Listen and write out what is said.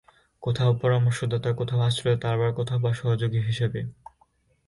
কোথাও পরামর্শদাতা, কোথাও আশ্রয় দাতা আবার কোথাও বা সহযোগী হিসাবে।